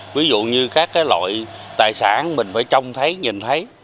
ví dụ như các cái loại tài sản mình phải trông thấy nhìn thấy